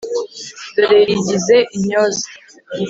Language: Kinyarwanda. dore yigize intyoza